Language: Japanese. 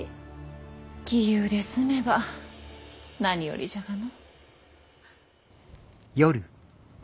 杞憂で済めば何よりじゃがの。